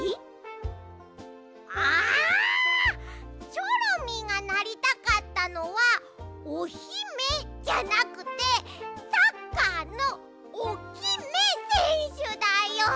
チョロミーがなりたかったのは「オヒメ」じゃなくてサッカーの「オキメ」せんしゅだよ！